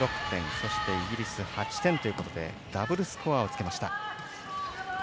そしてイギリス８点ということでダブルスコアをつけました。